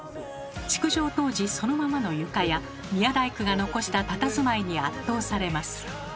築城当時そのままの床や宮大工が残したたたずまいに圧倒されます。